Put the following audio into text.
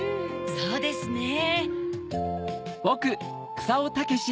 そうですねぇ。